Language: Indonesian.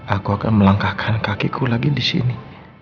aku akan melangkahkan kakiku lagi disini